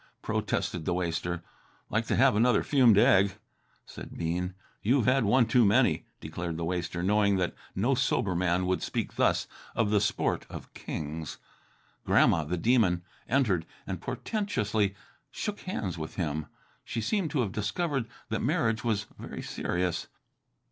protested the waster. "Like to have another fumed egg," said Bean. "You've had one too many," declared the waster, knowing that no sober man could speak thus of the sport of kings. Grandma, the Demon, entered and portentously shook hands with him. She seemed to have discovered that marriage was very serious.